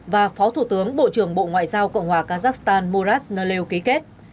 và phó thủ tướng bộ trưởng bộ ngoại giao cộng hòa kazakhstan murad naleo ký kết